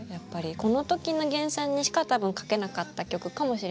この時の源さんにしか多分書けなかった曲かもしれないし。